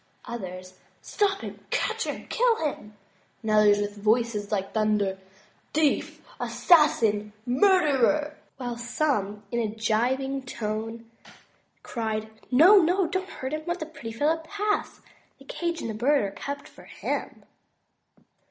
Others, Stop him, catch him, kill him," and others with a voice like thunder, "Thief, assassin, murderer !'' while some in a gibing tone, cried, No, no ; do not hurt him, let the pretty fellow pass; the cage and bird are kept for him."